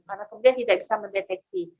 karena kemudian tidak bisa mendeteksi